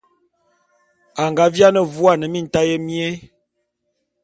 A nga viane vuane mintaé mié.